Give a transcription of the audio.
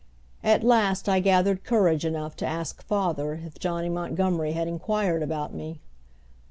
At last I gathered courage enough to ask father if Johnny Montgomery had inquired about me.